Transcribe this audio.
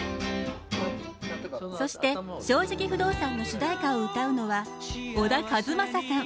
そして「正直不動産」の主題歌を歌うのは小田和正さん。